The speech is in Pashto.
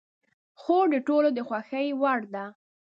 خور د ټولو د خوښې وړ ده.